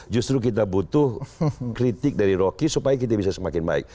justru kita butuh kritik dari rocky supaya kita bisa semakin baik